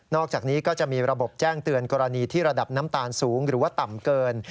อกจากนี้ก็จะมีระบบแจ้งเตือนกรณีที่ระดับน้ำตาลสูงหรือว่าต่ำเกิน